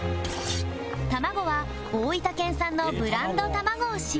卵は大分県産のブランド卵を使用